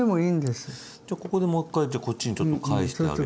じゃあここでもう一回こっちにちょっと返してあげて。